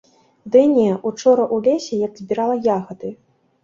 Ды не, учора ў лесе, як збірала ягады.